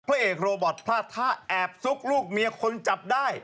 พระเอกโรบอตพลาดท่าแอบซุกลูกเมียคนจับได้